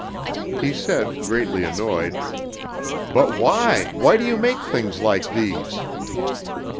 He said, greatly annoyed: "But why, why do you make things like these?"